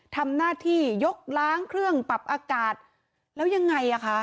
ทำหน้าที่ยกล้างเครื่องปรับอากาศแล้วยังไงอ่ะคะ